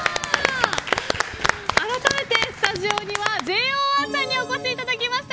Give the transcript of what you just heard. あらためてスタジオにはＪＯ１さんにお越しいただきました。